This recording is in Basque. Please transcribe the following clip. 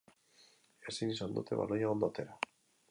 Ezin izan dute baloia ondo atera.